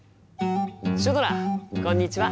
シュドラこんにちは！